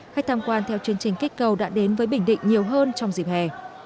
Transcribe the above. khách tham quan theo chương trình kích cầu đã đến với bình định nhiều hơn trong dịp hè